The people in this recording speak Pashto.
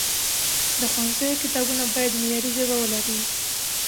د ښوونځیو کتابونه باید معیاري ژبه ولري.